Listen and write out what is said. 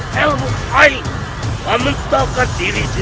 kepada para pembantu